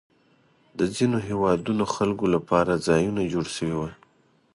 د ځینو هېوادونو خلکو لپاره ځایونه جوړ شوي وو.